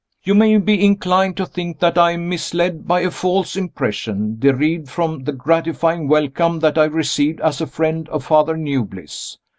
You may be inclined to think that I am misled by a false impression, derived from the gratifying welcome that I received as a friend of Father Newbliss.